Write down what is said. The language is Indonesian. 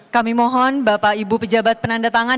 kami mohon bapak ibu pejabat penandatangan